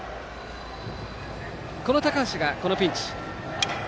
この高橋がこのピンチ。